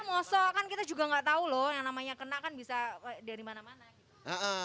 mosok kan kita juga nggak tahu loh yang namanya kena kan bisa dari mana mana gitu